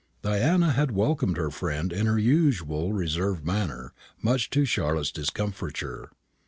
Diana had welcomed her friend in her usual reserved manner, much to Charlotte's discomfiture.